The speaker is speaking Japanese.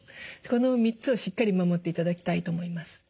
この３つをしっかり守っていただきたいと思います。